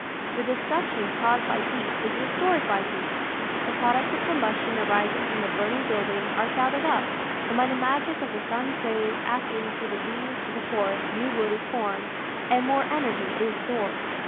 The destruction caused by heat is re stored by heat. The products of combustion arising from the burning building are gath ered up, and by the magic of the sun's rays acting through the leaves of the forest new wood is formed, and more energy is stored.